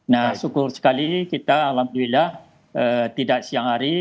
nah syukur sekali kita alhamdulillah tidak siang hari